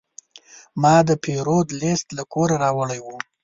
ما د پیرود لیست له کوره راوړی و.